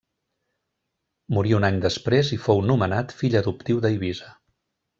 Morí un any després i fou nomenat fill adoptiu d'Eivissa.